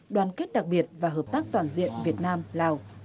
đoàn kết đặc biệt và hợp tác toàn diện việt nam lào